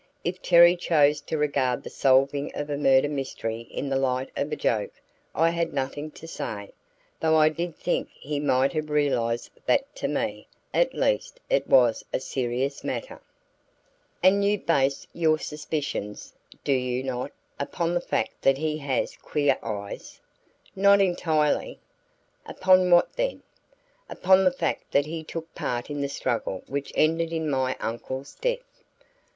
If Terry chose to regard the solving of a murder mystery in the light of a joke, I had nothing to say; though I did think he might have realized that to me, at least, it was a serious matter. "And you base your suspicions, do you not, upon the fact that he has queer eyes?" "Not entirely." "Upon what then?" "Upon the fact that he took part in the struggle which ended in my uncle's death."